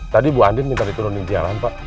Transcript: tadi bu andin minta diturunin jalan pak